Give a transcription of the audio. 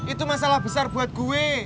itu masalah besar buat gue